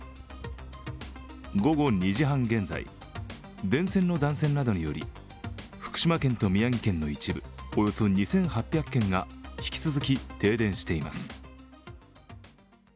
午後２時半現在、電線の断線などにより福島県と宮城県の一部およそ２８００軒が引き続き停電しています。